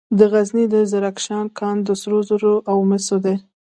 د غزني د زرکشان کان د سرو زرو او مسو دی.